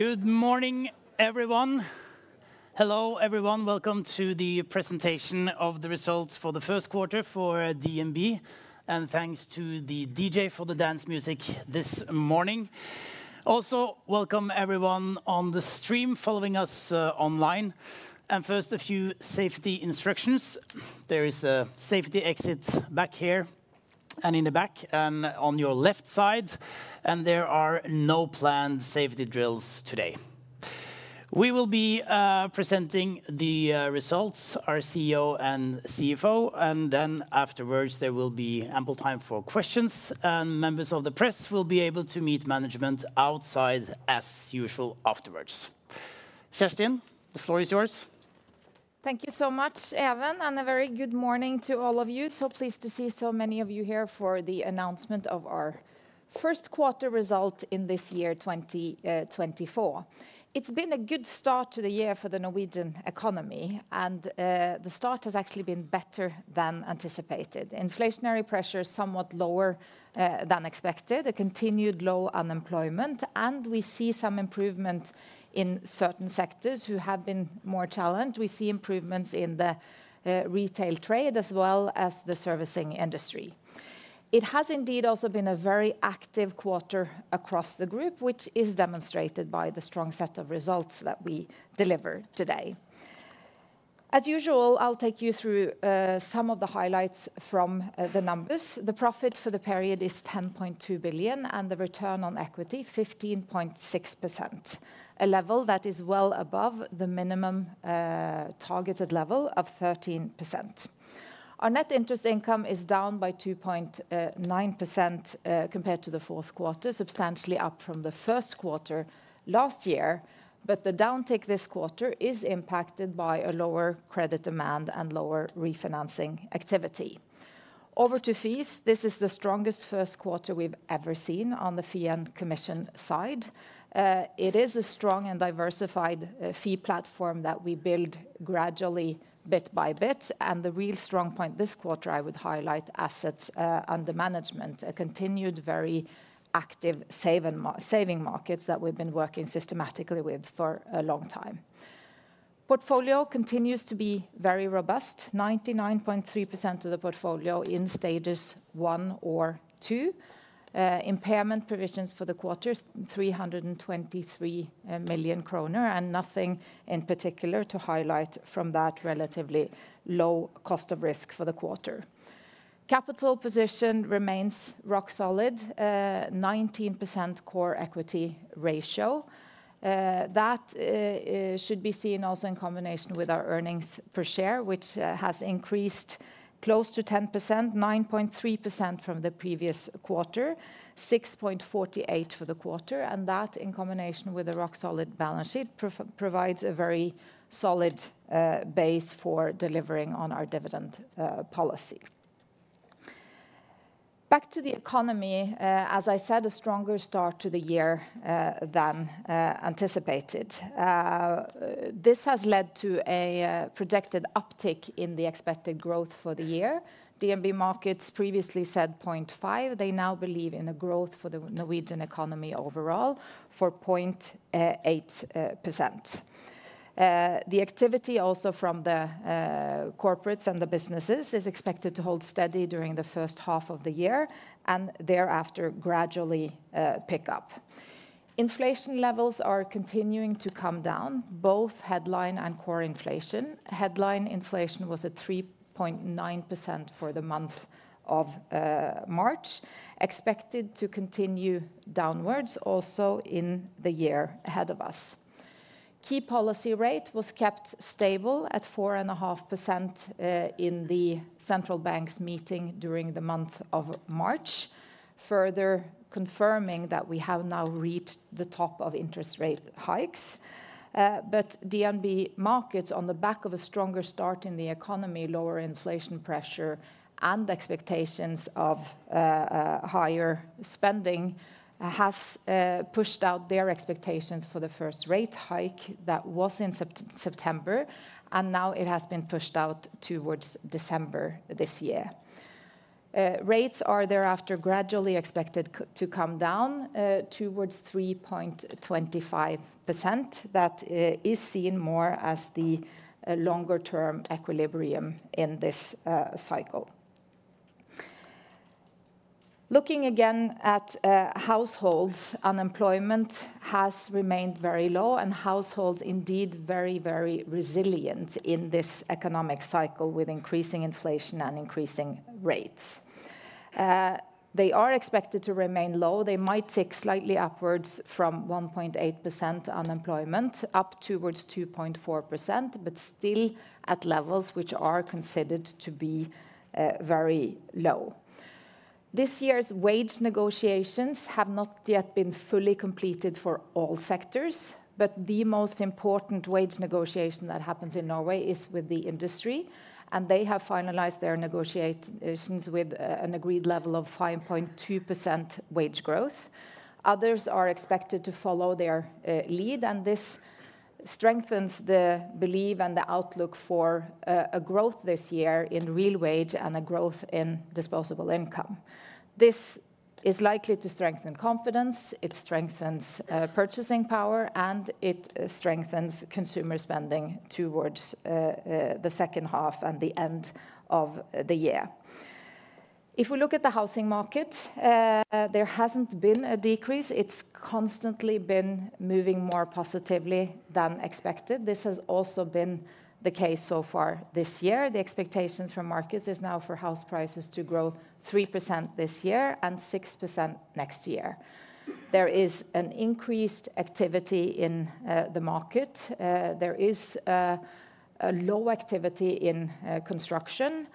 Good morning, everyone. Hello everyone, welcome to the presentation of the results for the first quarter for DNB, and thanks to the DJ for the dance music this morning. Also, welcome everyone on the stream following us online. First, a few safety instructions. There is a safety exit back here and in the back and on your left side, and there are no planned safety drills today. We will be presenting the results, our CEO and CFO, and then afterwards there will be ample time for questions, and members of the press will be able to meet management outside as usual afterwards. Kjerstin, the floor is yours. Thank you so much, Even, and a very good morning to all of you. So pleased to see so many of you here for the announcement of our first-quarter result in this year 2024. It's been a good start to the year for the Norwegian economy, and the start has actually been better than anticipated. Inflationary pressures somewhat lower than expected, a continued low unemployment, and we see some improvement in certain sectors who have been more challenged. We see improvements in the retail trade as well as the servicing industry. It has indeed also been a very active quarter across the group, which is demonstrated by the strong set of results that we deliver today. As usual, I'll take you through some of the highlights from the numbers. The profit for the period is 10.2 billion, and the return on equity 15.6%, a level that is well above the minimum targeted level of 13%. Our net interest income is down by 2.9% compared to the fourth quarter, substantially up from the first quarter last year, but the downtick this quarter is impacted by a lower credit demand and lower refinancing activity. Over to fees. This is the strongest first quarter we've ever seen on the FICC commission side. It is a strong and diversified fee platform that we build gradually, bit by bit, and the real strong point this quarter I would highlight assets under management, a continued very active savings markets that we've been working systematically with for a long time. Portfolio continues to be very robust, 99.3% of the portfolio in stages one or two. Impairment provisions for the quarter, 323 million kroner, and nothing in particular to highlight from that relatively low cost of risk for the quarter. Capital position remains rock solid, 19% Core Equity Ratio. That should be seen also in combination with our earnings per share, which has increased close to 10%, 9.3% from the previous quarter, 6.48% for the quarter, and that in combination with a rock solid balance sheet provides a very solid base for delivering on our dividend policy. Back to the economy. As I said, a stronger start to the year than anticipated. This has led to a projected uptick in the expected growth for the year. DNB Markets previously said 0.5%. They now believe in a growth for the Norwegian economy overall for 0.8%. The activity also from the corporates and the businesses is expected to hold steady during the first half of the year and thereafter gradually pick up. Inflation levels are continuing to come down, both headline and core inflation. Headline inflation was at 3.9% for the month of March, expected to continue downwards also in the year ahead of us. Key policy rate was kept stable at 4.5% in the Central Bank's meeting during the month of March, further confirming that we have now reached the top of interest rate hikes. But DNB Markets, on the back of a stronger start in the economy, lower inflation pressure, and expectations of higher spending, has pushed out their expectations for the first rate hike that was in September, and now it has been pushed out towards December this year. Rates are thereafter gradually expected to come down towards 3.25%. That is seen more as the longer-term equilibrium in this cycle. Looking again at households, unemployment has remained very low and households indeed very, very resilient in this economic cycle with increasing inflation and increasing rates. They are expected to remain low. They might tick slightly upwards from 1.8% unemployment up towards 2.4%, but still at levels which are considered to be very low. This year's wage negotiations have not yet been fully completed for all sectors, but the most important wage negotiation that happens in Norway is with the industry, and they have finalized their negotiations with an agreed level of 5.2% wage growth. Others are expected to follow their lead, and this strengthens the belief and the outlook for a growth this year in real wage and a growth in disposable income. This is likely to strengthen confidence. It strengthens purchasing power, and it strengthens consumer spending towards the second half and the end of the year. If we look at the housing market, there hasn't been a decrease. It's constantly been moving more positively than expected. This has also been the case so far this year. The expectations from markets are now for house prices to grow 3% this year and 6% next year. There is an increased activity in the market. There is low activity in construction,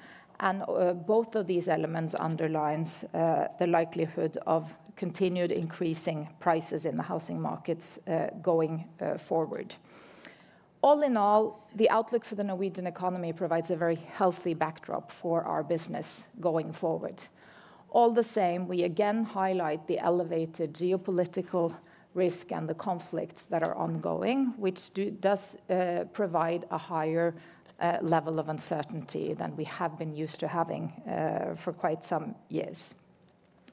and both of these elements underline the likelihood of continued increasing prices in the housing markets going forward. All in all, the outlook for the Norwegian economy provides a very healthy backdrop for our business going forward. All the same, we again highlight the elevated geopolitical risk and the conflicts that are ongoing, which does provide a higher level of uncertainty than we have been used to having for quite some years,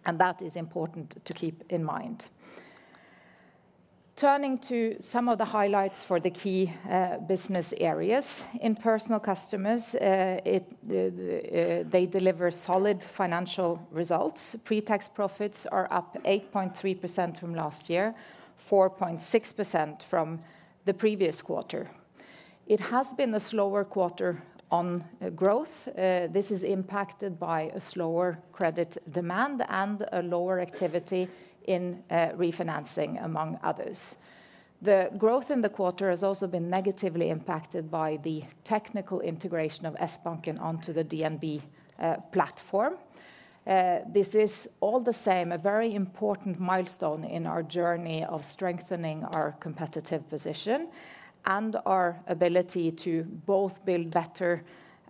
and that is important to keep in mind. Turning to some of the highlights for the key business areas in personal customers, they deliver solid financial results. Pre-tax profits are up 8.3% from last year, 4.6% from the previous quarter. It has been a slower quarter on growth. This is impacted by a slower credit demand and a lower activity in refinancing, among others. The growth in the quarter has also been negatively impacted by the technical integration of SBanken onto the DNB platform. This is all the same, a very important milestone in our journey of strengthening our competitive position and our ability to both build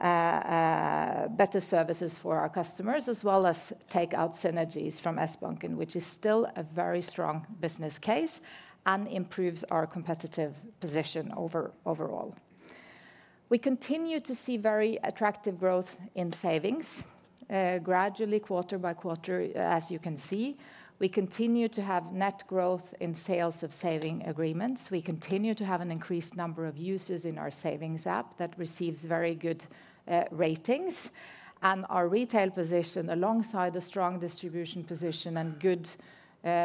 better services for our customers as well as take out synergies from SBanken, which is still a very strong business case and improves our competitive position overall. We continue to see very attractive growth in savings, gradually quarter by quarter, as you can see. We continue to have net growth in sales of saving agreements. We continue to have an increased number of users in our savings app that receives very good ratings, and our retail position alongside a strong distribution position and good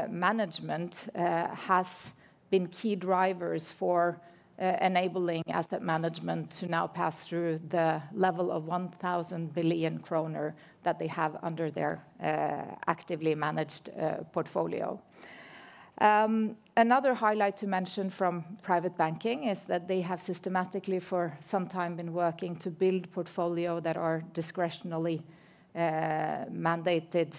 management has been key drivers for enabling asset management to now pass through the level of 1,000 billion kroner that they have under their actively managed portfolio. Another highlight to mention from private banking is that they have systematically for some time been working to build portfolio that are discretionarily mandated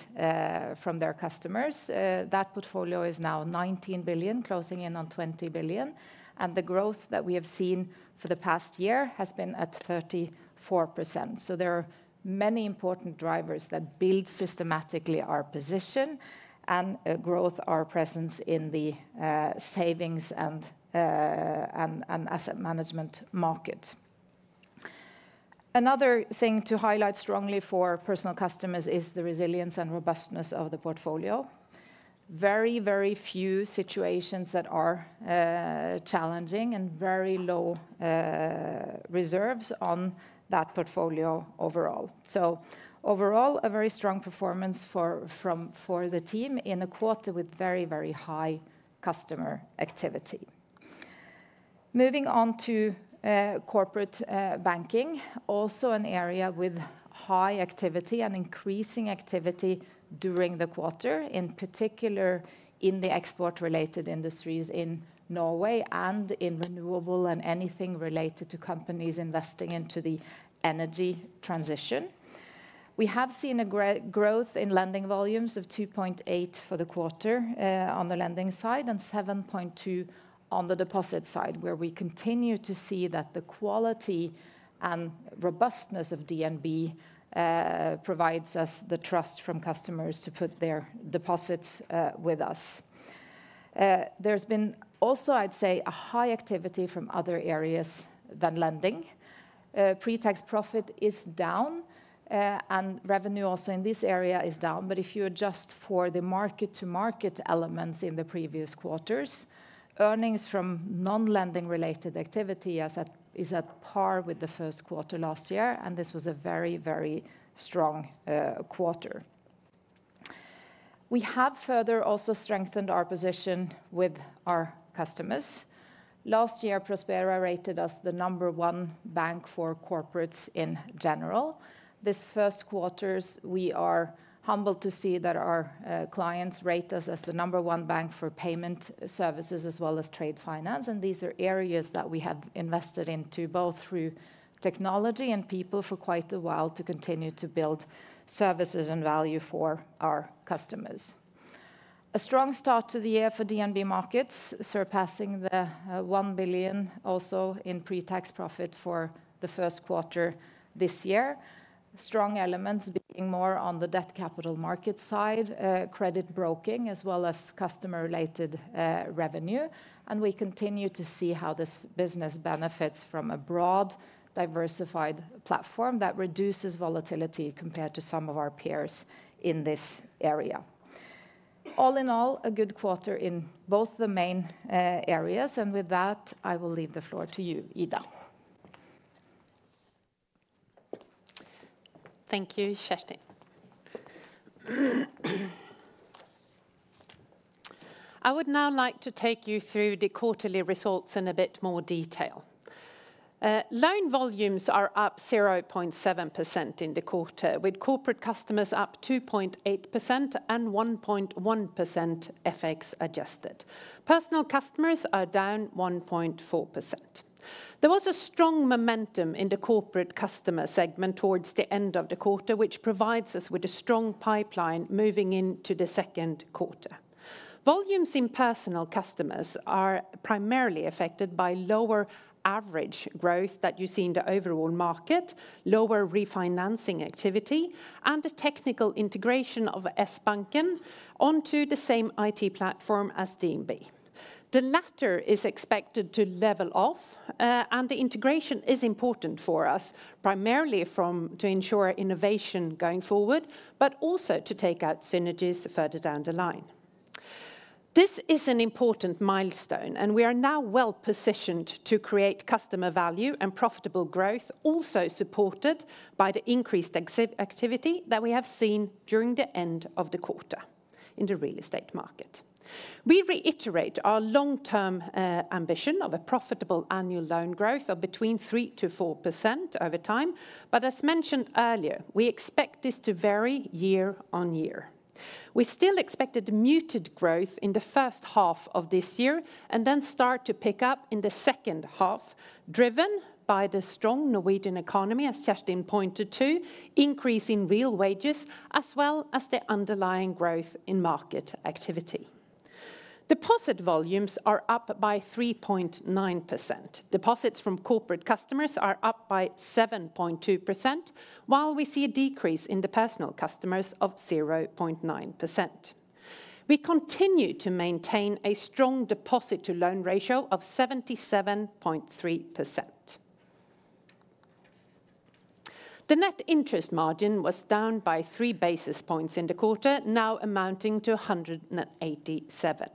from their customers. That portfolio is now 19 billion, closing in on 20 billion, and the growth that we have seen for the past year has been at 34%. So there are many important drivers that build systematically our position and growth, our presence in the savings and asset management market. Another thing to highlight strongly for personal customers is the resilience and robustness of the portfolio. Very, very few situations that are challenging and very low reserves on that portfolio overall. So overall, a very strong performance for the team in a quarter with very, very high customer activity. Moving on to corporate banking, also an area with high activity and increasing activity during the quarter, in particular in the export-related industries in Norway and in renewable and anything related to companies investing into the energy transition. We have seen a growth in lending volumes of 2.8% for the quarter on the lending side and 7.2% on the deposit side, where we continue to see that the quality and robustness of DNB provides us the trust from customers to put their deposits with us. There's been also, I'd say, a high activity from other areas than lending. Pre-tax profit is down, and revenue also in this area is down. But if you adjust for the mark-to-market elements in the previous quarters, earnings from non-lending-related activity is at par with the first quarter last year, and this was a very, very strong quarter. We have further also strengthened our position with our customers. Last year, Prospera rated us the number one bank for corporates in general. This first quarter, we are humbled to see that our clients rate us as the number one bank for payment services as well as trade finance, and these are areas that we have invested into both through technology and people for quite a while to continue to build services and value for our customers. A strong start to the year for DNB Markets, surpassing the 1 billion also in pre-tax profit for the first quarter this year. Strong elements being more on the debt capital market side, credit broking, as well as customer-related revenue, and we continue to see how this business benefits from a broad, diversified platform that reduces volatility compared to some of our peers in this area. All in all, a good quarter in both the main areas, and with that, I will leave the floor to you, Ida. Thank you, Kjerstin. I would now like to take you through the quarterly results in a bit more detail. Loan volumes are up 0.7% in the quarter, with corporate customers up 2.8% and 1.1% FX-adjusted. Personal customers are down 1.4%. There was a strong momentum in the corporate customer segment towards the end of the quarter, which provides us with a strong pipeline moving into the second quarter. Volumes in personal customers are primarily affected by lower average growth that you see in the overall market, lower refinancing activity, and the technical integration of S-Banking onto the same IT platform as DNB. The latter is expected to level off, and the integration is important for us primarily to ensure innovation going forward, but also to take out synergies further down the line. This is an important milestone, and we are now well positioned to create customer value and profitable growth, also supported by the increased activity that we have seen during the end of the quarter in the real estate market. We reiterate our long-term ambition of a profitable annual loan growth of between 3%-4% over time, but as mentioned earlier, we expect this to vary year-on-year. We still expected muted growth in the first half of this year and then start to pick up in the second half, driven by the strong Norwegian economy, as Kjerstin pointed to, increase in real wages as well as the underlying growth in market activity. Deposit volumes are up by 3.9%. Deposits from corporate customers are up by 7.2%, while we see a decrease in the personal customers of 0.9%. We continue to maintain a strong deposit-to-loan ratio of 77.3%. The net interest margin was down by 3 basis points in the quarter, now amounting to 1.87%,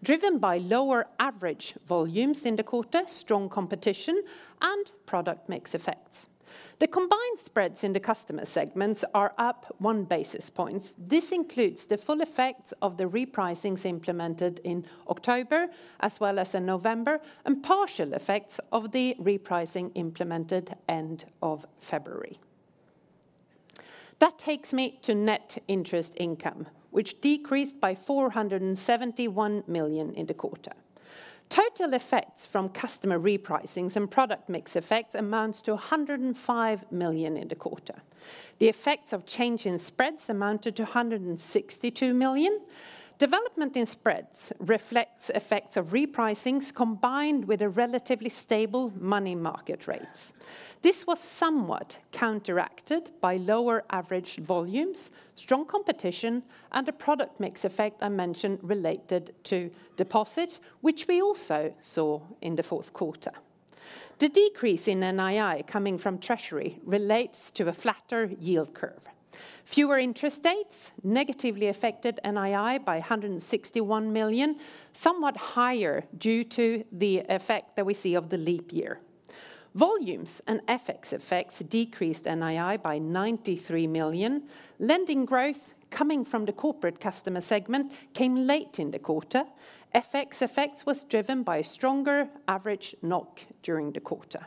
driven by lower average volumes in the quarter, strong competition, and product mix effects. The combined spreads in the customer segments are up 1 basis point. This includes the full effects of the repricings implemented in October as well as in November, and partial effects of the repricing implemented at the end of February. That takes me to net interest income, which decreased by 471 million in the quarter. Total effects from customer repricings and product mix effects amount to 105 million in the quarter. The effects of change in spreads amounted to 162 million. Development in spreads reflects effects of repricings combined with relatively stable money market rates. This was somewhat counteracted by lower average volumes, strong competition, and the product mix effect I mentioned related to deposit, which we also saw in the fourth quarter. The decrease in NII coming from treasury relates to a flatter yield curve. Fewer interest dates negatively affected NII by 161 million, somewhat higher due to the effect that we see of the leap year. Volumes and FX effects decreased NII by 93 million. Lending growth coming from the corporate customer segment came late in the quarter. FX effects were driven by a stronger average NOK during the quarter.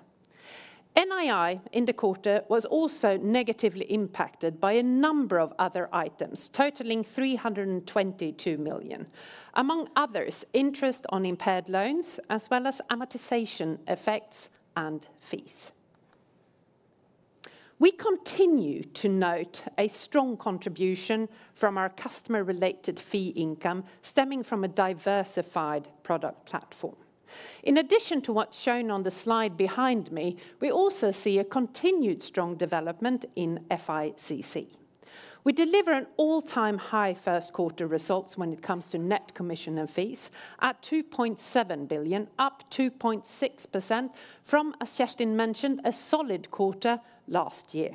NII in the quarter was also negatively impacted by a number of other items totaling 322 million, among others interest on impaired loans as well as amortization effects and fees. We continue to note a strong contribution from our customer-related fee income stemming from a diversified product platform. In addition to what's shown on the slide behind me, we also see a continued strong development in FICC. We deliver an all-time high first-quarter results when it comes to net commission and fees at 2.7 billion, up 2.6% from, as Kjerstin mentioned, a solid quarter last year.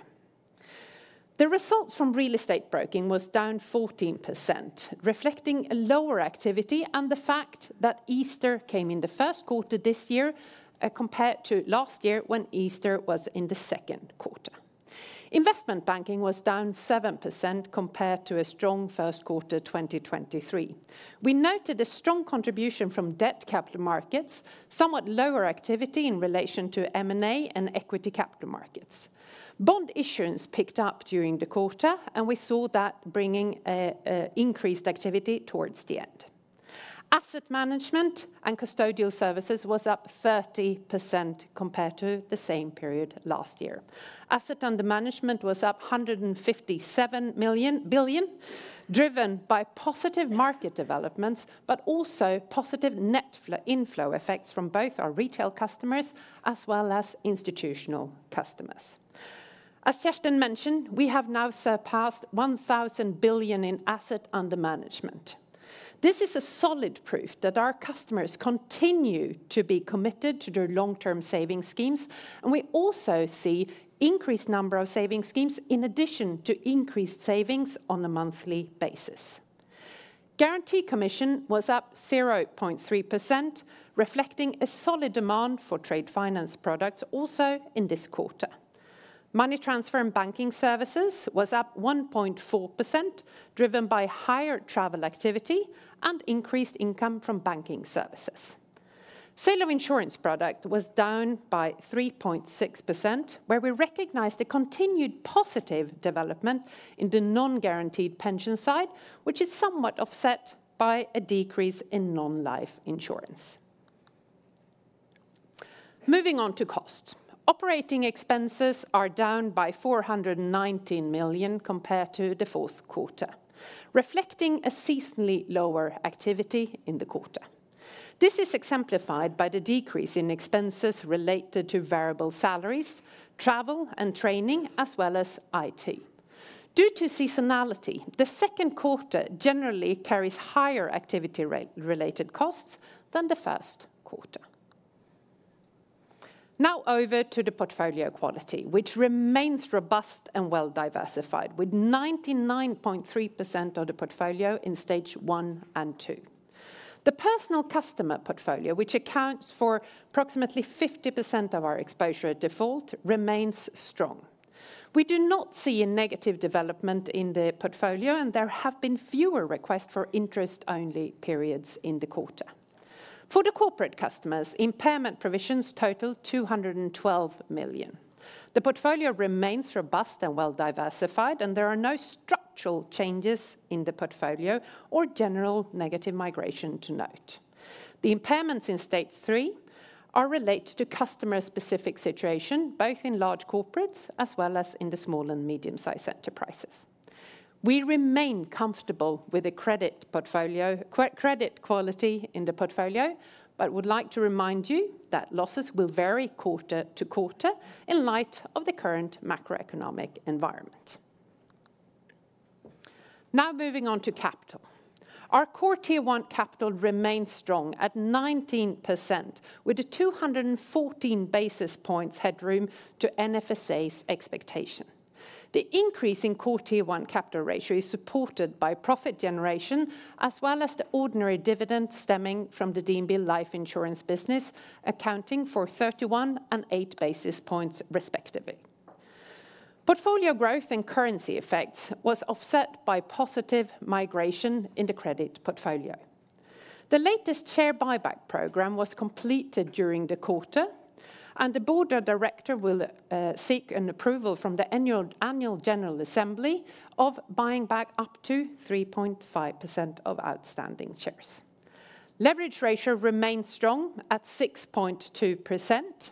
The results from real estate broking were down 14%, reflecting lower activity and the fact that Easter came in the first quarter this year compared to last year when Easter was in the second quarter. Investment banking was down 7% compared to a strong first quarter 2023. We noted a strong contribution from debt capital markets, somewhat lower activity in relation to M&A and equity capital markets. Bond issuance picked up during the quarter, and we saw that bringing increased activity towards the end. Asset management and custodial services were up 30% compared to the same period last year. Assets under management was up 157 billion, driven by positive market developments but also positive net inflow effects from both our retail customers as well as institutional customers. As Kjerstin mentioned, we have now surpassed 1,000 billion in assets under management. This is solid proof that our customers continue to be committed to their long-term savings schemes, and we also see an increased number of savings schemes in addition to increased savings on a monthly basis. Guarantee commission was up 0.3%, reflecting solid demand for trade finance products also in this quarter. Money transfer and banking services were up 1.4%, driven by higher travel activity and increased income from banking services. Sale of insurance products were down by 3.6%, where we recognized a continued positive development in the non-guaranteed pension side, which is somewhat offset by a decrease in non-life insurance. Moving on to costs, operating expenses are down by 419 million compared to the fourth quarter, reflecting seasonally lower activity in the quarter. This is exemplified by the decrease in expenses related to variable salaries, travel and training, as well as IT. Due to seasonality, the second quarter generally carries higher activity-related costs than the first quarter. Now over to the portfolio quality, which remains robust and well-diversified, with 99.3% of the portfolio in Stage 1 and 2. The personal customer portfolio, which accounts for approximately 50% of our exposure at default, remains strong. We do not see a negative development in the portfolio, and there have been fewer requests for interest-only periods in the quarter. For the corporate customers, impairment provisions total 212 million. The portfolio remains robust and well-diversified, and there are no structural changes in the portfolio or general negative migration to note. The impairments in Stage 3 are related to customer-specific situations, both in large corporates as well as in the small and medium-sized enterprises. We remain comfortable with the credit quality in the portfolio but would like to remind you that losses will vary quarter to quarter in light of the current macroeconomic environment. Now moving on to capital. Our quarter-one capital remains strong at 19%, with 214 basis points headroom to NFSA's expectation. The increase in quarter-one capital ratio is supported by profit generation as well as the ordinary dividend stemming from the DNB Life Insurance business, accounting for 31 and 8 basis points respectively. Portfolio growth and currency effects were offset by positive migration in the credit portfolio. The latest share buyback program was completed during the quarter, and the board of directors will seek approval from the Annual General Assembly of buying back up to 3.5% of outstanding shares. Leverage ratio remains strong at 6.2%,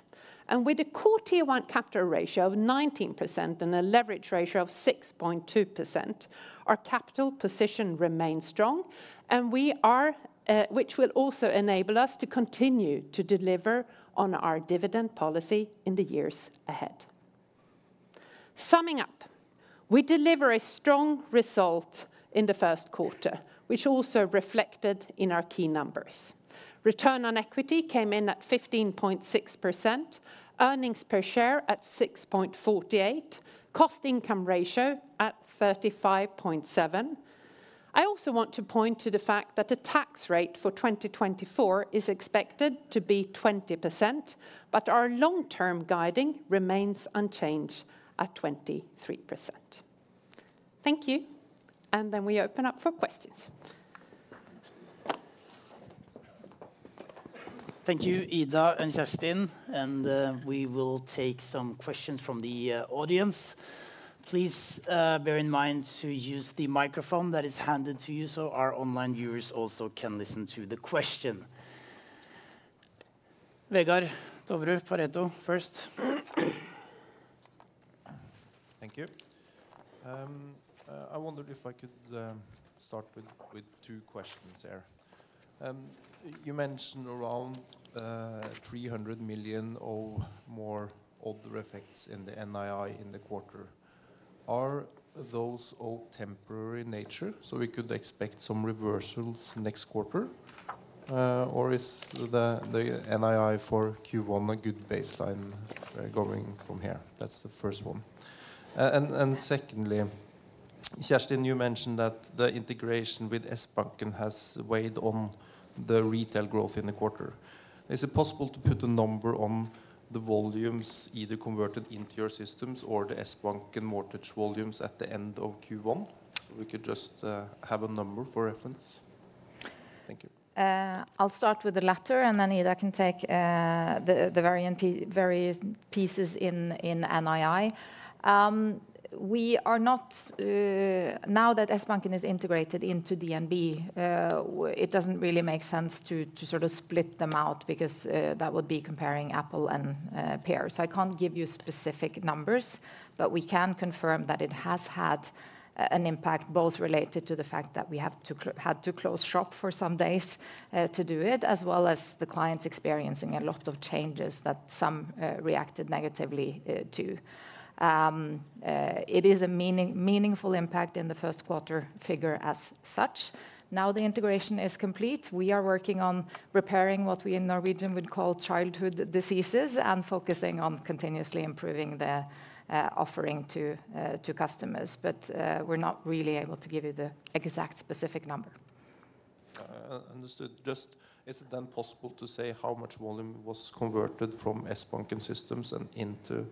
and with a quarter-one capital ratio of 19% and a leverage ratio of 6.2%, our capital position remains strong, which will also enable us to continue to deliver on our dividend policy in the years ahead. Summing up, we deliver a strong result in the first quarter, which also reflected in our key numbers. Return on equity came in at 15.6%, earnings per share at 6.48%, cost-income ratio at 35.7%. I also want to point to the fact that the tax rate for 2024 is expected to be 20%, but our long-term guiding remains unchanged at 23%. Thank you, and then we open up for questions. Thank you, Ida and Kjerstin, and we will take some questions from the audience. Please bear in mind to use the microphone that is handed to you so our online viewers also can listen to the question. Vegard Toverud, Pareto first. Thank you. I wondered if I could start with two questions there. You mentioned around 300 million or more odd effects in the NII in the quarter. Are those of temporary nature, so we could expect some reversals next quarter, or is the NII for Q1 a good baseline going from here? That's the first one. Secondly, Kjerstin, you mentioned that the integration with S-Banking has weighed on the retail growth in the quarter. Is it possible to put a number on the volumes either converted into your systems or the S-Banking mortgage volumes at the end of Q1, so we could just have a number for reference? Thank you. I'll start with the latter, and then Ida can take the various pieces in NII. Now that S-Banking is integrated into DNB, it doesn't really make sense to split them out because that would be comparing apple and pear. So I can't give you specific numbers, but we can confirm that it has had an impact, both related to the fact that we had to close shop for some days to do it, as well as the clients experiencing a lot of changes that some reacted negatively to. It is a meaningful impact in the first quarter figure as such. Now the integration is complete. We are working on repairing what we in Norwegian would call childhood diseases and focusing on continuously improving the offering to customers, but we're not really able to give you the exact specific number. Understood. Just is it then possible to say how much volume was converted from S-Banking systems and into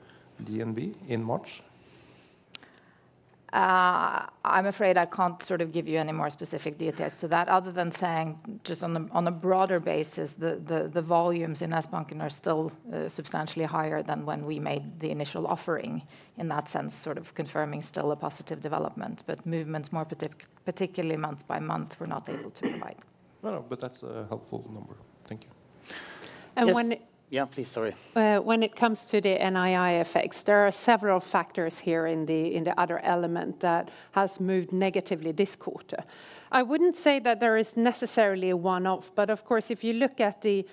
DNB in March? I'm afraid I can't give you any more specific details to that, other than saying just on a broader basis, the volumes in S-Banking are still substantially higher than when we made the initial offering in that sense, confirming still a positive development, but movements more particularly month by month we're not able to provide. No, no, but that's a helpful number. Thank you. And when. Yeah, please, sorry. When it comes to the NII effects, there are several factors here in the other element that have moved negatively this quarter. I wouldn't say that there is necessarily a one-off, but of course, if you look at the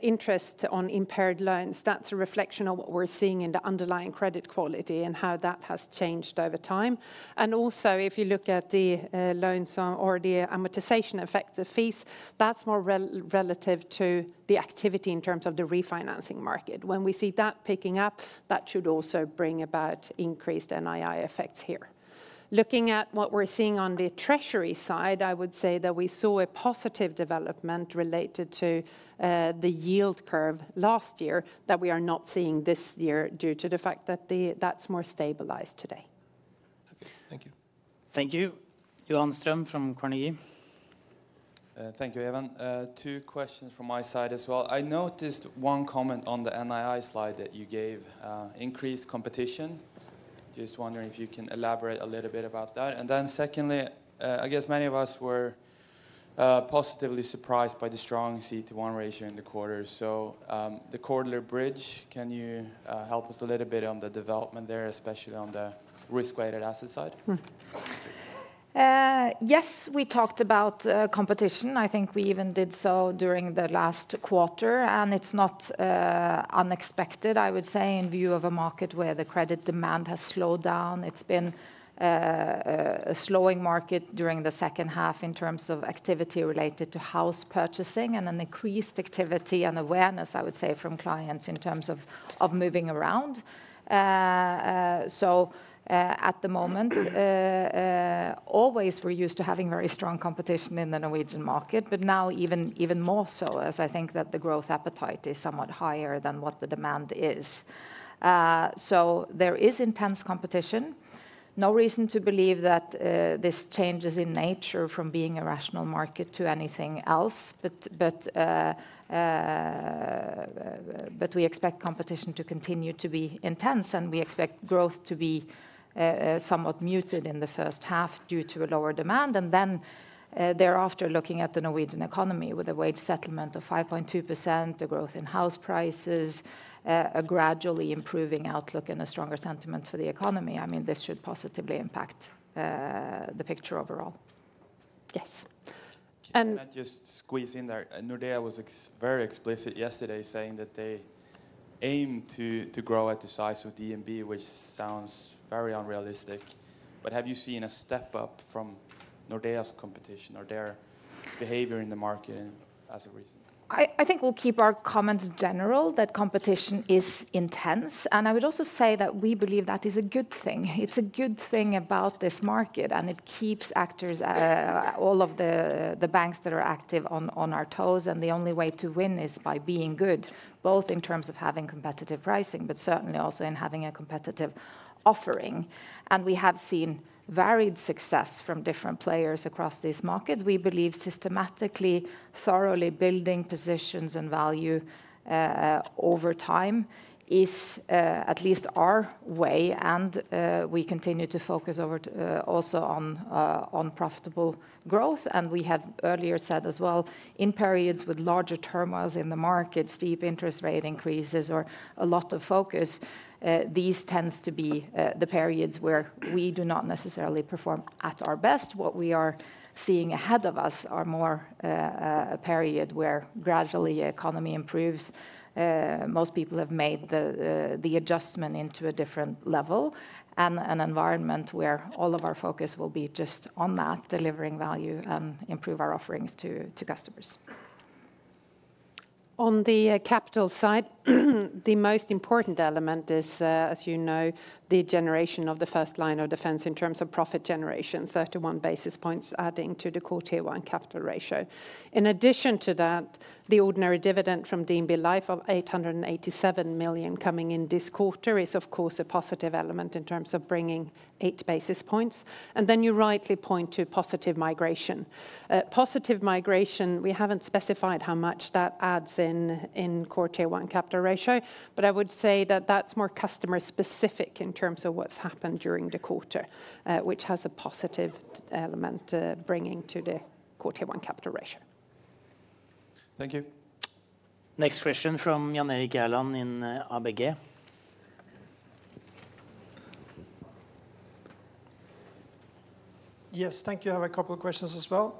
interest on impaired loans, that's a reflection of what we're seeing in the underlying credit quality and how that has changed over time. And also, if you look at the loans or the amortization effects of fees, that's more relative to the activity in terms of the refinancing market. When we see that picking up, that should also bring about increased NII effects here. Looking at what we're seeing on the Treasury side, I would say that we saw a positive development related to the yield curve last year that we are not seeing this year due to the fact that that's more stabilized today. Thank you. Thank you. Johan Ström from Carnegie. Thank you, Even. Two questions from my side as well. I noticed one comment on the NII slide that you gave, increased competition. Just wondering if you can elaborate a little bit about that. And then secondly, I guess many of us were positively surprised by the strong CET1 ratio in the quarter. So the CET1 bridge, can you help us a little bit on the development there, especially on the risk-weighted asset side? Yes, we talked about competition. I think we even did so during the last quarter, and it's not unexpected, I would say, in view of a market where the credit demand has slowed down. It's been a slowing market during the second half in terms of activity related to house purchasing and an increased activity and awareness, I would say, from clients in terms of moving around. So at the moment, always we're used to having very strong competition in the Norwegian market, but now even more so, as I think that the growth appetite is somewhat higher than what the demand is. So there is intense competition. No reason to believe that this changes in nature from being a rational market to anything else, but we expect competition to continue to be intense, and we expect growth to be somewhat muted in the first half due to a lower demand. And then thereafter, looking at the Norwegian economy with a wage settlement of 5.2%, a growth in house prices, a gradually improving outlook, and a stronger sentiment for the economy, I mean, this should positively impact the picture overall. Yes. Can I just squeeze in there? Nordea was very explicit yesterday saying that they aim to grow at the size of DNB, which sounds very unrealistic. But have you seen a step up from Nordea's competition or their behavior in the market as of recently? I think we'll keep our comments general that competition is intense, and I would also say that we believe that is a good thing. It's a good thing about this market, and it keeps actors, all of the banks that are active on our toes, and the only way to win is by being good, both in terms of having competitive pricing but certainly also in having a competitive offering. We have seen varied success from different players across these markets. We believe systematically, thoroughly building positions and value over time is at least our way, and we continue to focus also on profitable growth. We have earlier said as well, in periods with larger turmoils in the markets, steep interest rate increases, or a lot of focus, these tend to be the periods where we do not necessarily perform at our best. What we are seeing ahead of us are more a period where gradually the economy improves. Most people have made the adjustment into a different level and an environment where all of our focus will be just on that, delivering value and improving our offerings to customers. On the capital side, the most important element is, as you know, the generation of the first line of defense in terms of profit generation, 31 basis points adding to the quarter-one capital ratio. In addition to that, the ordinary dividend from DNB Life of 887 million coming in this quarter is, of course, a positive element in terms of bringing 8 basis points. And then you rightly point to positive migration. Positive migration, we haven't specified how much that adds in quarter-one capital ratio, but I would say that that's more customer-specific in terms of what's happened during the quarter, which has a positive element bringing to the quarter-one capital ratio. Thank you. Next question from Jan Erik Gjerland in ABG. Yes, thank you. I have a couple of questions as well.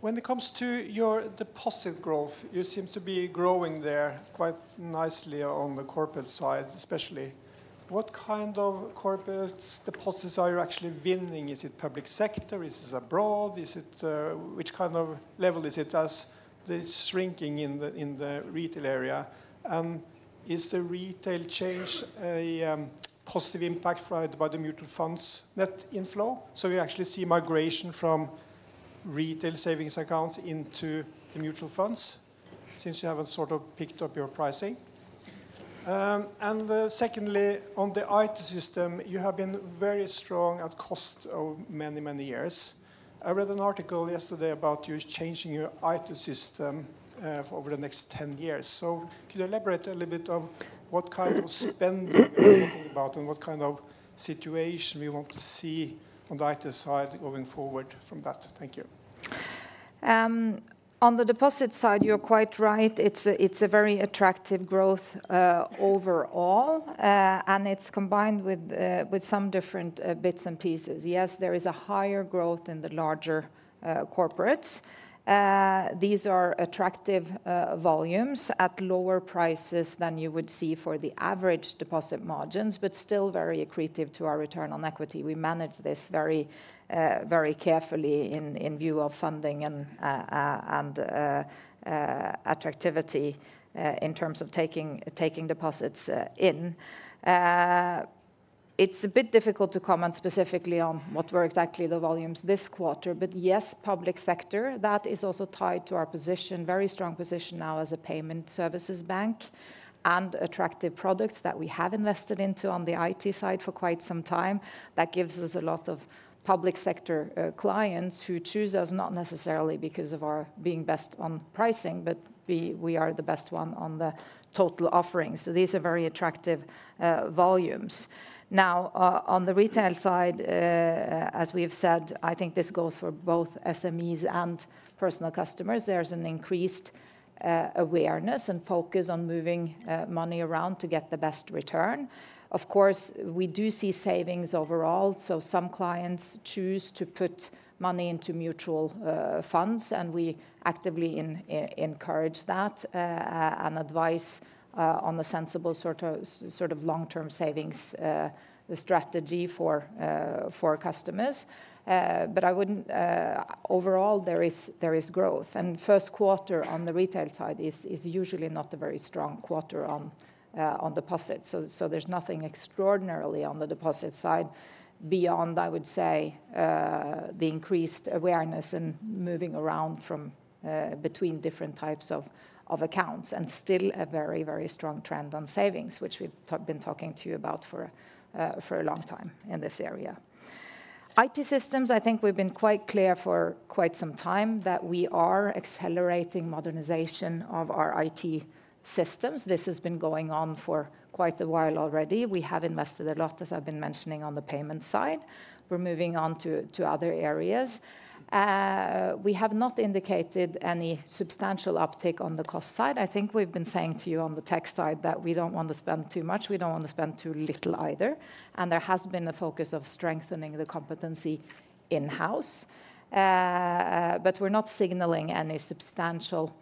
When it comes to your deposit growth, you seem to be growing there quite nicely on the corporate side, especially. What kind of corporate deposits are you actually winning? Is it public sector? Is it abroad? Which kind of level is it as the shrinking in the retail area? And is the retail change a positive impact by the mutual funds net inflow? So we actually see migration from retail savings accounts into the mutual funds since you haven't sort of picked up your pricing. And secondly, on the IT system, you have been very strong at cost for many, many years. I read an article yesterday about you changing your IT system over the next 10 years. Could you elaborate a little bit on what kind of spending you're thinking about and what kind of situation we want to see on the ITA side going forward from that? Thank you. On the deposit side, you're quite right. It's a very attractive growth overall, and it's combined with some different bits and pieces. Yes, there is a higher growth in the larger corporates. These are attractive volumes at lower prices than you would see for the average deposit margins, but still very accretive to our return on equity. We manage this very carefully in view of funding and attractivity in terms of taking deposits in. It's a bit difficult to comment specifically on what were exactly the volumes this quarter, but yes, public sector, that is also tied to our position, very strong position now as a payment services bank and attractive products that we have invested into on the IT side for quite some time. That gives us a lot of public sector clients who choose us not necessarily because of our being best on pricing, but we are the best one on the total offering. So these are very attractive volumes. Now, on the retail side, as we have said, I think this goes for both SMEs and personal customers. There's an increased awareness and focus on moving money around to get the best return. Of course, we do see savings overall, so some clients choose to put money into mutual funds, and we actively encourage that and advise on a sensible sort of long-term savings strategy for customers. But overall, there is growth. And first quarter on the retail side is usually not a very strong quarter on deposits. So there's nothing extraordinarily on the deposit side beyond, I would say, the increased awareness and moving around between different types of accounts and still a very, very strong trend on savings, which we've been talking to you about for a long time in this area. IT systems, I think we've been quite clear for quite some time that we are accelerating modernization of our IT systems. This has been going on for quite a while already. We have invested a lot, as I've been mentioning, on the payment side. We're moving on to other areas. We have not indicated any substantial uptick on the cost side. I think we've been saying to you on the tech side that we don't want to spend too much. We don't want to spend too little either. There has been a focus of strengthening the competency in-house, but we're not signaling any substantial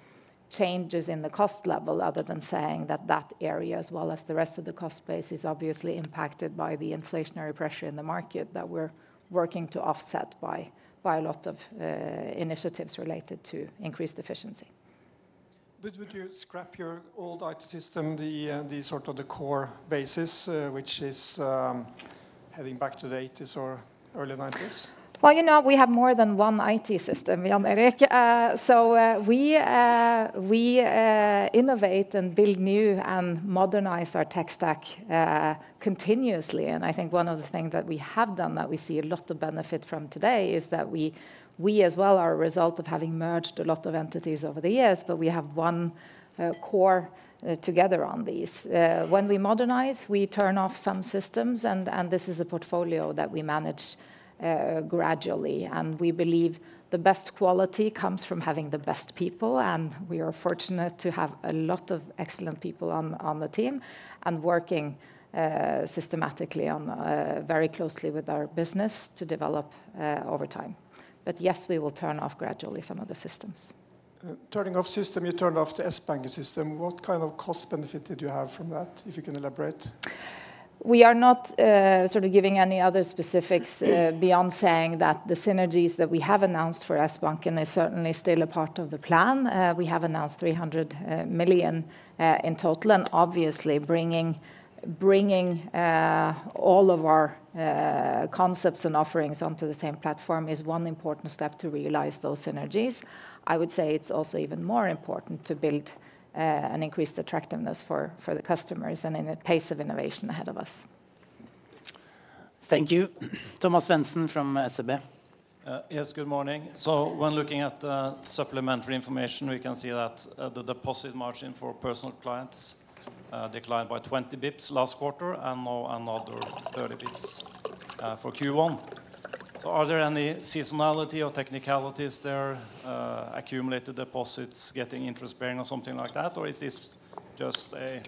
changes in the cost level other than saying that that area, as well as the rest of the cost base, is obviously impacted by the inflationary pressure in the market that we're working to offset by a lot of initiatives related to increased efficiency. Would you scrap your old IT system, the sort of core basis, which is heading back to the '80s or early '90s? Well, you know we have more than one IT system, Jan Erik. So we innovate and build new and modernize our tech stack continuously. And I think one of the things that we have done that we see a lot of benefit from today is that we as well are a result of having merged a lot of entities over the years, but we have one core together on these. When we modernize, we turn off some systems, and this is a portfolio that we manage gradually. And we believe the best quality comes from having the best people, and we are fortunate to have a lot of excellent people on the team and working systematically and very closely with our business to develop over time. But yes, we will turn off gradually some of the systems. Turning off system, you turned off the S-Banking system. What kind of cost benefit did you have from that, if you can elaborate? We are not giving any other specifics beyond saying that the synergies that we have announced for S-Banking is certainly still a part of the plan. We have announced 300 million in total. And obviously, bringing all of our concepts and offerings onto the same platform is one important step to realize those synergies. I would say it's also even more important to build an increased attractiveness for the customers and in a pace of innovation ahead of us. Thank you. Thomas Svendsen from SEB. Yes, good morning. So when looking at supplementary information, we can see that the deposit margin for personal clients declined by 20 basis points last quarter and now another 30 basis points for Q1. So are there any seasonality or technicalities there, accumulated deposits getting interest bearing or something like that, or is this just an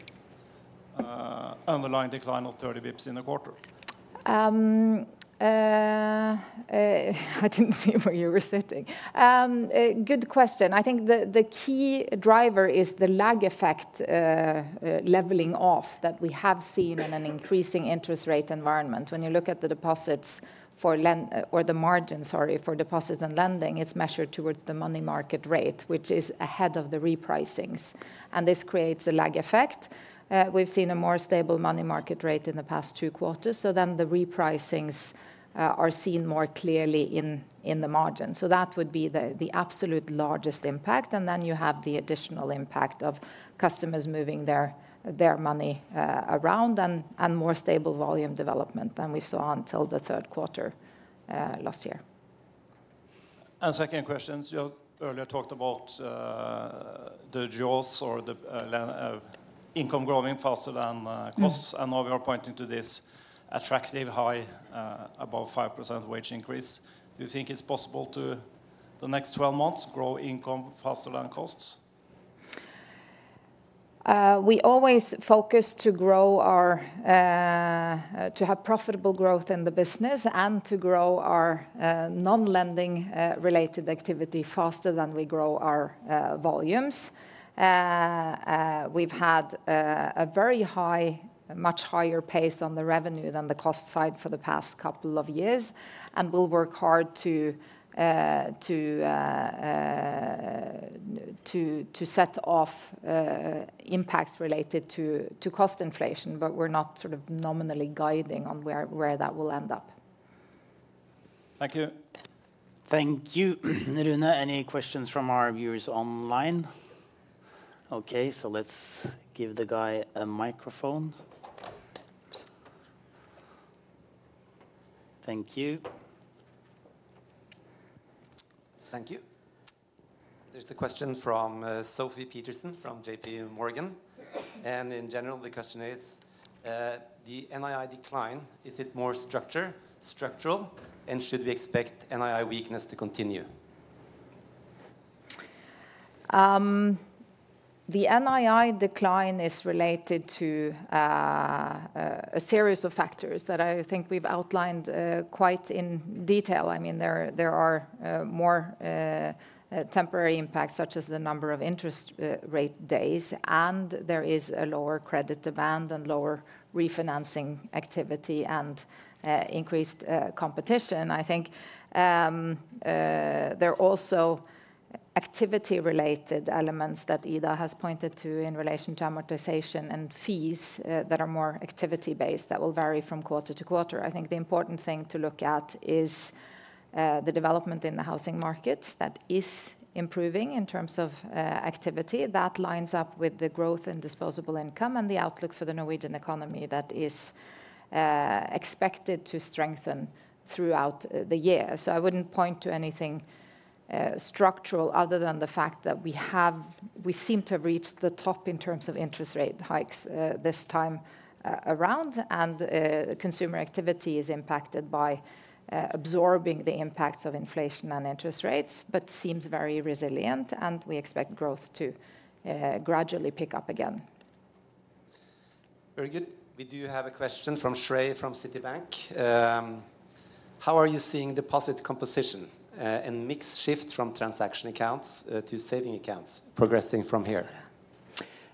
underlying decline of 30 basis points in a quarter? I didn't see where you were sitting. Good question. I think the key driver is the lag effect leveling off that we have seen in an increasing interest rate environment. When you look at the deposits for or the margin, sorry, for deposits and lending, it's measured towards the money market rate, which is ahead of the repricings. And this creates a lag effect. We've seen a more stable money market rate in the past two quarters, so then the repricings are seen more clearly in the margin. So that would be the absolute largest impact. And then you have the additional impact of customers moving their money around and more stable volume development than we saw until the third quarter last year. Second question. You earlier talked about the growth or the income growing faster than costs, and now we are pointing to this attractive, high, above 5% wage increase. Do you think it's possible to, the next 12 months, grow income faster than costs? We always focus to have profitable growth in the business and to grow our non-lending-related activity faster than we grow our volumes. We've had a very high, much higher pace on the revenue than the cost side for the past couple of years, and we'll work hard to offset impacts related to cost inflation, but we're not nominally guiding on where that will end up. Thank you. Thank you, Rune. Any questions from our viewers online? OK, so let's give the guy a microphone. Thank you. Thank you. There's a question from Sofie Peterzens from JPMorgan. In general, the question is, the NII decline, is it more structure, structural, and should we expect NII weakness to continue? The NII decline is related to a series of factors that I think we've outlined quite in detail. I mean, there are more temporary impacts, such as the number of interest rate days, and there is a lower credit demand and lower refinancing activity and increased competition. I think there are also activity-related elements that Ida has pointed to in relation to amortization and fees that are more activity-based that will vary from quarter to quarter. I think the important thing to look at is the development in the housing market that is improving in terms of activity. That lines up with the growth in disposable income and the outlook for the Norwegian economy that is expected to strengthen throughout the year. So I wouldn't point to anything structural other than the fact that we seem to have reached the top in terms of interest rate hikes this time around. And consumer activity is impacted by absorbing the impacts of inflation and interest rates, but seems very resilient, and we expect growth to gradually pick up again. Very good. We do have a question from Shrey from Citi. How are you seeing deposit composition and mix shift from transaction accounts to savings accounts progressing from here?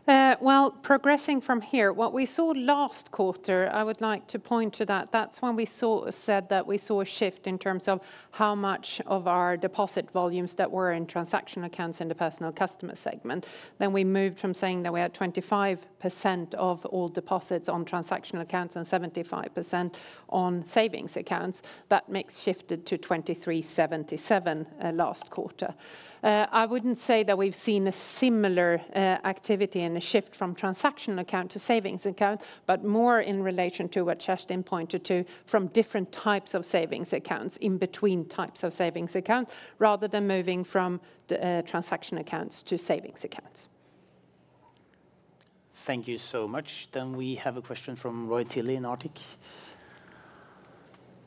Well, progressing from here, what we saw last quarter, I would like to point to that. That's when we said that we saw a shift in terms of how much of our deposit volumes that were in transactional accounts in the personal customer segment. Then we moved from saying that we had 25% of all deposits on transactional accounts and 75% on savings accounts. That mix shifted to 23.77% last quarter. I wouldn't say that we've seen a similar activity and a shift from transactional account to savings account, but more in relation to what Kjerstin pointed to from different types of savings accounts in between types of savings accounts rather than moving from transactional accounts to savings accounts. Thank you so much. Then we have a question from Roy Tilley in Arctic.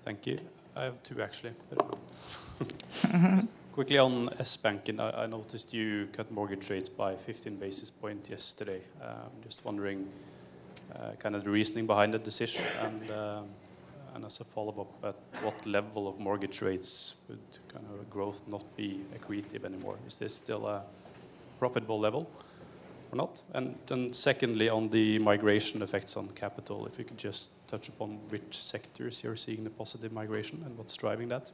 Thank you. I have two, actually. Quickly on S-Banking, I noticed you cut mortgage rates by 15 basis points yesterday. I'm just wondering kind of the reasoning behind that decision. And as a follow-up, at what level of mortgage rates would kind of growth not be accretive anymore? Is this still a profitable level or not? And then secondly, on the migration effects on capital, if you could just touch upon which sectors you're seeing the positive migration and what's driving that.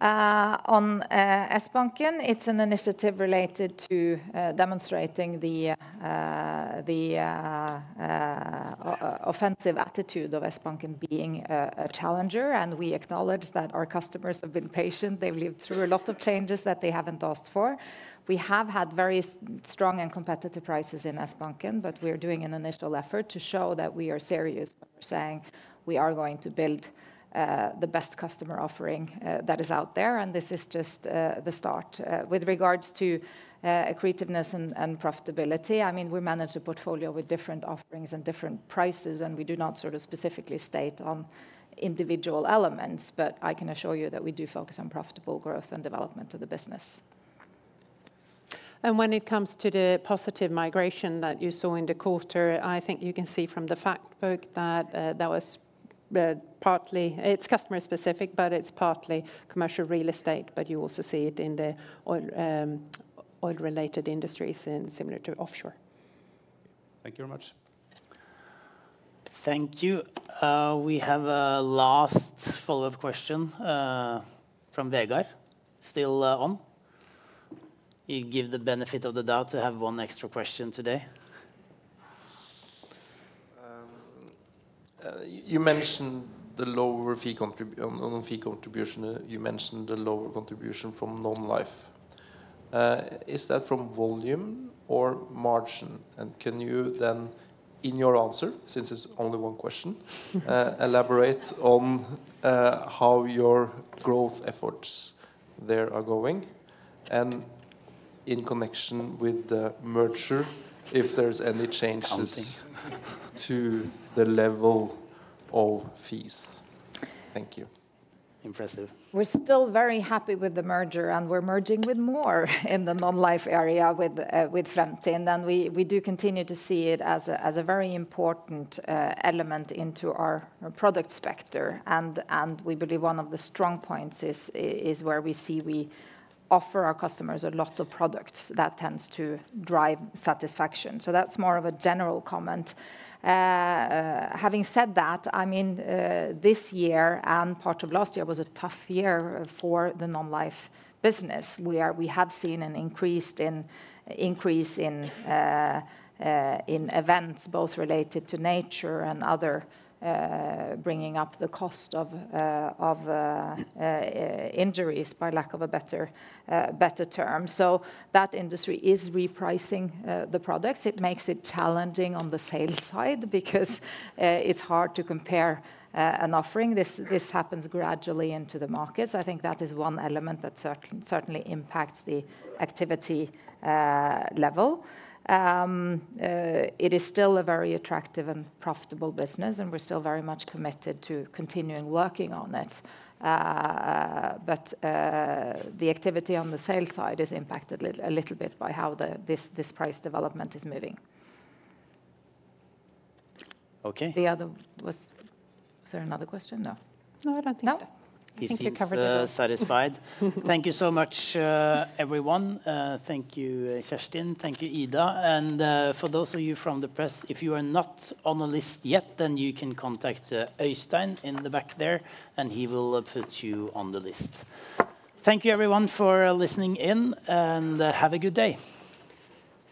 Thank you. On S-Banking, it's an initiative related to demonstrating the offensive attitude of S-Banking being a challenger. We acknowledge that our customers have been patient. They've lived through a lot of changes that they haven't asked for. We have had very strong and competitive prices in S-Banking, but we are doing an initial effort to show that we are serious about saying we are going to build the best customer offering that is out there. This is just the start. With regards to accretiveness and profitability, I mean, we manage a portfolio with different offerings and different prices, and we do not specifically state on individual elements. I can assure you that we do focus on profitable growth and development of the business. When it comes to the positive migration that you saw in the quarter, I think you can see from the fact book that that was partly, it's customer-specific, but it's partly commercial real estate. You also see it in the oil-related industries similar to offshore. Thank you very much. Thank you. We have a last follow-up question from Vegard, still on. You give the benefit of the doubt to have one extra question today. You mentioned the lower fee contribution. You mentioned the lower contribution from Non-life. Is that from volume or margin? And can you then, in your answer, since it's only one question, elaborate on how your growth efforts there are going and in connection with the merger, if there's any changes to the level of fees? Thank you. Impressive. We're still very happy with the merger, and we're merging with more in the Non-life area with Fremtind. We do continue to see it as a very important element into our product spectrum. We believe one of the strong points is where we see we offer our customers a lot of products that tends to drive satisfaction. So that's more of a general comment. Having said that, I mean, this year and part of last year was a tough year for the Non-life business, where we have seen an increase in events, both related to nature and other bringing up the cost of injuries by lack of a better term. So that industry is repricing the products. It makes it challenging on the sales side because it's hard to compare an offering. This happens gradually into the markets. I think that is one element that certainly impacts the activity level. It is still a very attractive and profitable business, and we're still very much committed to continuing working on it. But the activity on the sales side is impacted a little bit by how this price development is moving. OK. The other was there another question? No? No, I don't think so. No. I think we covered it all. Satisfied. Thank you so much, everyone. Thank you, Kjerstin. Thank you, Ida. For those of you from the press, if you are not on the list yet, then you can contact Øystein in the back there, and he will put you on the list. Thank you, everyone, for listening in, and have a good day.